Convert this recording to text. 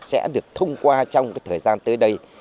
sẽ được thông qua trong thời gian tới đây